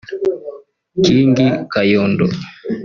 King Kayondo